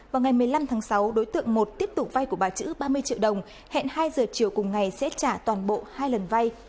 vào ngày một mươi năm tháng sáu đối tượng một tiếp tục vay của bà chữ ba mươi triệu đồng hẹn hai giờ chiều cùng ngày sẽ trả toàn bộ hai lần vay